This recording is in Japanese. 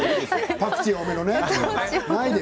パクチー多めのね。